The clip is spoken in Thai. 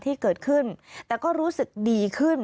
ที่เกิดขึ้นแต่ก็รู้สึกดีขึ้น